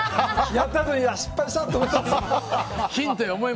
やったあとに失敗したって思ったんですよ。